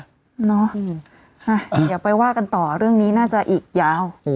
เดี๋ยวไปว่ากันต่อเรื่องนี้น่าจะอีกยาว